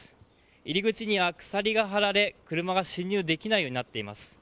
入り口には鎖が張られ車が進入できないようになっています。